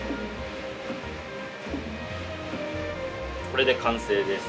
これで完成です。